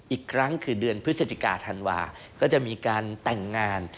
อีกครั้งคือเดือนพฤศจิกาธันวาก็จะมีการแต่งงาน